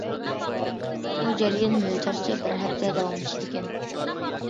بۇ جەريان مۆلچەرچە بىر ھەپتە داۋاملىشىدىكەن.